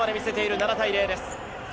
７対０です。